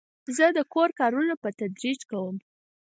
زه د کور کارونه په تدریج کوم.